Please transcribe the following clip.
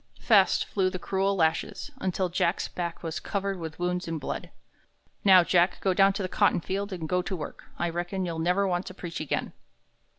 Fast flew the cruel lashes, until Jack's back was covered with wounds and blood. "Now, Jack, go down to the cotton field and go to work. I reckon you'll never want to preach again."